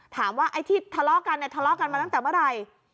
ถามว่าไอ้ที่ทะเลาะกันเนี่ยทะเลาะกันมาตั้งแต่เมื่อไหร่